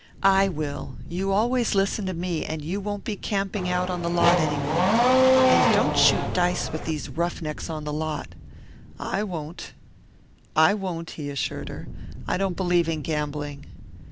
"I will; you always listen to me, and you won't be camping on the lot any more. And don't shoot dice with these rough necks on the lot." "I won't," he assured her. "I don't believe in gambling."